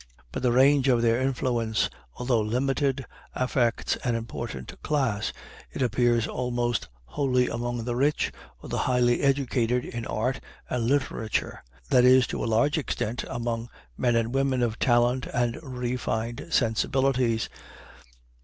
But the range of their influence, although limited, affects an important class. It appears almost wholly among the rich or the highly educated in art and literature; that is, to a large extent among men and women of talent and refined sensibilities.